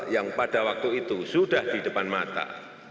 yang pada waktu itu sudah di depan mata